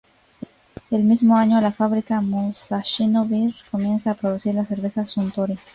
El mismo año, la fábrica Musashino Beer comienza a producir la cerveza Suntory.